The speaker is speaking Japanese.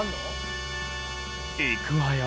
いくわよ。